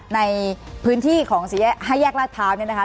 ในพื้นที่ของฮะแยกราชเท้าเนี่ยนะคะ